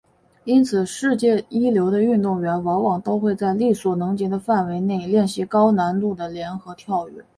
因此世界一流的运动员往往都会在力所能及的范围内练习高难度的联合跳跃。